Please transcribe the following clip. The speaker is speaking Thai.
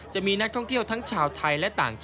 จะมีนักท่องเที่ยวทั้งชาวไทย